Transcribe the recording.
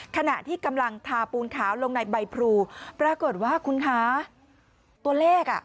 ขณะที่กำลังทาปูนขาวลงในใบพรูปรากฏว่าคุณคะตัวเลขอ่ะ